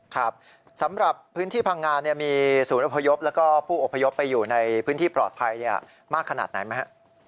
ครับสำหรับพื้นที่พังงามีศูนย์อพยพแล้วก็ผู้อพยพไปอยู่ในพื้นที่ปลอดภัยมากขนาดไหนไหมครับ